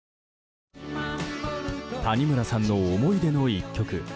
谷村さんの思い出の１曲。